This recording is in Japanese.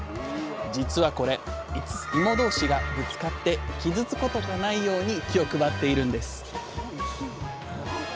実はこれいも同士がぶつかって傷つくことがないように気を配っているんです